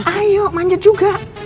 ayo lanjut juga